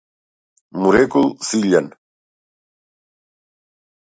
му рекол Силјан.